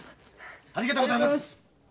ありがとうございます！